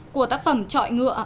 của tác phẩm chọi ngựa